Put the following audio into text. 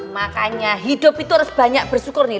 makanya hidup itu harus banyak bersyukur nih